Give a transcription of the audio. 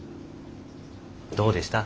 どうでした？